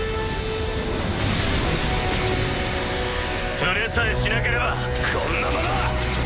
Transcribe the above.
触れさえしなければこんなもの！